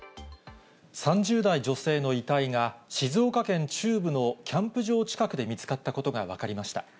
３０代女性の遺体が、静岡県中部のキャンプ場近くで見つかったことが分かりました。